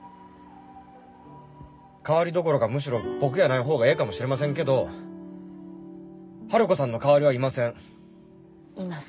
代わりどころかむしろ僕やない方がええかもしれませんけどハルコさんの代わりはいません。